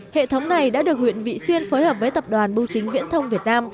hệ thống này đã được huyện vị xuyên phối hợp với tập đoàn bưu chính viễn thông việt nam